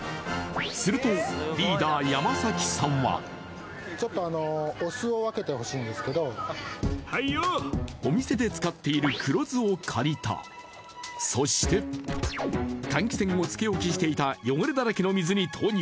するとリーダー・山崎さんはお店で使っている黒酢を借りた、そして換気扇をつけ置きしていた汚れだらけの水に投入。